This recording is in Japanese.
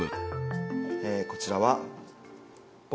こちらは。